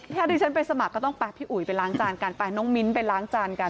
ถ้าดิฉันไปสมัครก็ต้องไปพี่อุ๋ยไปล้างจานกันไปน้องมิ้นไปล้างจานกัน